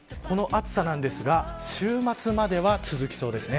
この暑さですが週末までは続きそうです。